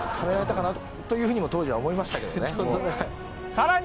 さらに。